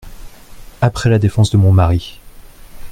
Après la défense de mon mari !…